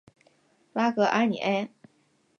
拉戈阿尼埃。